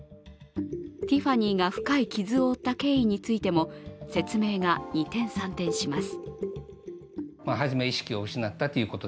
ティファニーが深い傷を負った経緯についても説明が二転三転します。